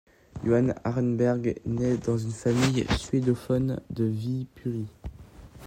Johan Ahrenberg nait dans une famille suédophone de Viipuri.